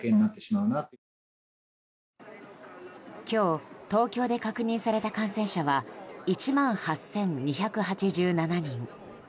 今日、東京で確認された感染者は１万８２８７人。